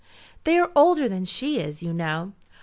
"They are older than she is, you know."